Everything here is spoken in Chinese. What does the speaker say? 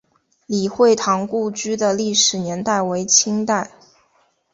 李惠堂故居的历史年代为清代。